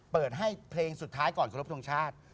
เปิดให้เพลงสุดท้ายก่อนขอรบทรงชาติ